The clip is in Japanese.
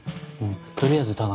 取りあえず田上。